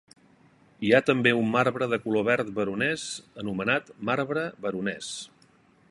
Hi ha també un marbre de color verd veronès anomenat marbre veronès.